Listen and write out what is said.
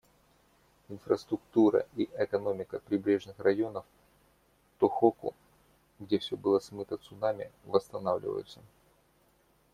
Инфраструктура и экономика прибрежных районов Тохоку, где все было смыто цунами, восстанавливаются.